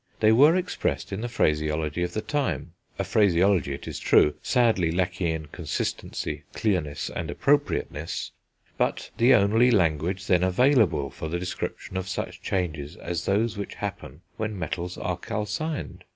They were expressed in the phraseology of the time; a phraseology, it is true, sadly lacking in consistency, clearness, and appropriateness, but the only language then available for the description of such changes as those which happen when metals are calcined.